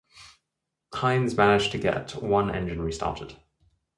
Hines managed to get one engine restarted.